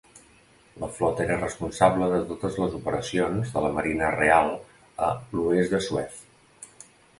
La flota era responsable de totes les operacions de la Marina Real a "l'oest de Suez".